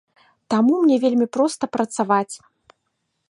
Таму мне вельмі проста працаваць.